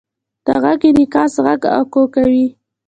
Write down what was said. د غږ انعکاس غږ اکو کوي.